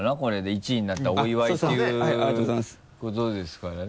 １位になったお祝いっていうことですからね。